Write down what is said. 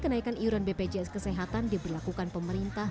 mengatakan kekuatan bpjs kesehatan diberlakukan pemerintah